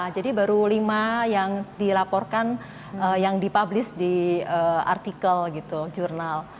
jadi baru lima yang dilaporkan yang dipublis di artikel gitu jurnal